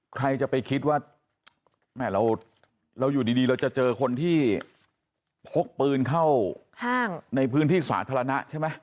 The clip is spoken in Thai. ใครจะไปคิดว่าแม่เราอยู่ดีเราจะเจอคนที่พกปืนเข้าห้างในพื้นที่สาธารณะใช่ไหม